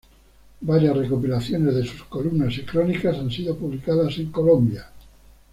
Varias recopilaciones de sus columnas y crónicas han sido publicadas en Colombia.